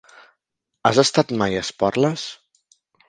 Has estat mai a Esporles?